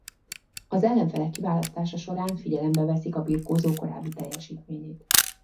Az ellenfelek kiválasztása során figyelembe veszik a birkózó korábbi teljesítményét.